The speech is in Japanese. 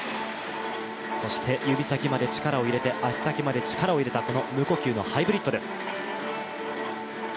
そして指先まで力を入れて足先まで力を入れたこの無呼吸のハイブリッドです。